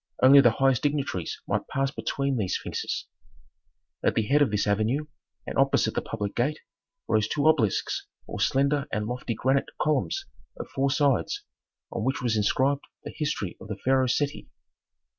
Only the highest dignitaries might pass between these sphinxes. At the head of this avenue, and opposite the public gate, rose two obelisks or slender and lofty granite columns of four sides, on which was inscribed the history of the pharaoh Seti.